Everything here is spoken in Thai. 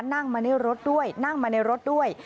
นั่งมาในรถด้วยนั่งมาในรถด้วย